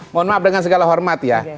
mohon maaf dengan segala hormat ya